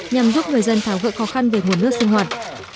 nhằm giúp người dân thảo gợi khó khăn về nguồn nước sinh hoạt